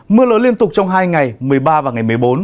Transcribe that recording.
mưa lớn liên tục trong hai ngày một mươi ba và ngày một mươi bốn